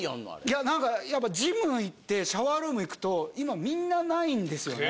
いやジムに行ってシャワールーム行くと今みんな無いんですよね。